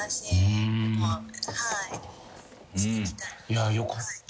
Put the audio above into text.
いやよかった。